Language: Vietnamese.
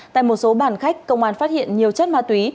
tại một số bàn khách công an phát hiện nhiều chất ma túy